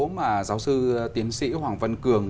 mà giáo sư tiến sĩ hoàng văn cường